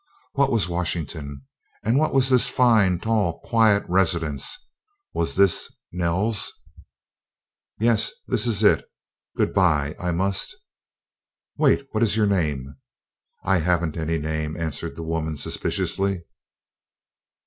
What was Washington, and what was this fine, tall, quiet residence? Was this "Nell's"? "Yes, this is it good bye I must " "Wait what is your name?" "I haven't any name," answered the woman suspiciously.